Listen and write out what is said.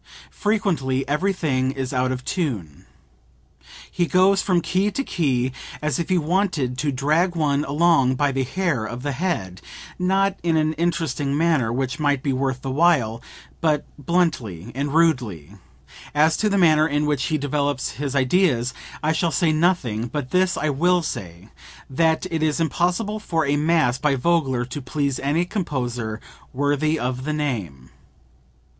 Frequently everything is out of tune. He goes from key to key as if he wanted to drag one along by the hair of the head, not in an interesting manner which might be worth while, but bluntly and rudely. As to the manner in which he develops his ideas I shall say nothing; but this I will say that it is impossible for a mass by Vogler to please any composer worthy of the name.